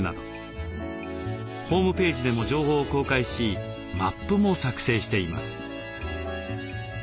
ホームページでも情報を公開しマップも作成しています。